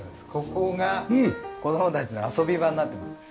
ここが子どもたちの遊び場になってます。